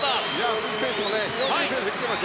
鈴木選手もいいペースで来てます。